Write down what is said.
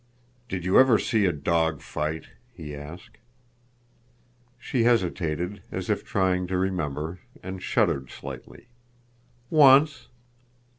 "Did you ever see a dog fight?" he asked. She hesitated, as if trying to remember, and shuddered slightly. "Once."